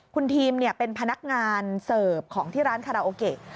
คุณทีมเป็นพนักงานเสิร์ฟของที่ร้านคาราโอเกะ